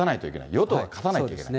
与党が勝たないといけない。